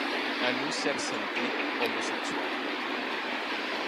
En un cert sentit, homosexual.